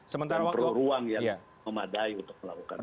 dan itu memang perlu ruang yang memadai untuk melakukan itu